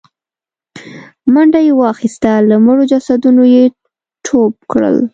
منډه يې واخيسته، له مړو جسدونو يې ټوپ کړل.